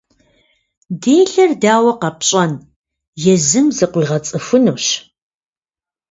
Делэр дауэ къэпщӏэн, езым зыкъыуигъэцӏыхунщ.